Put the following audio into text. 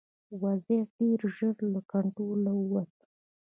وضعیت ډېر ژر له کنټروله ووت.